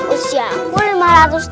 usia pun lima ratus tahun